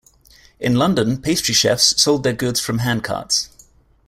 In London, pastry chefs sold their goods from handcarts.